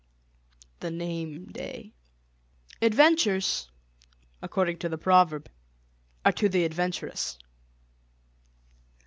THE NAME DAY Adventures, according to the proverb, are to the adventurous.